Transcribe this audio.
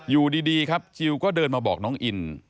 อยู่ดีครับจิลก็เดินมาบอกน้องอิน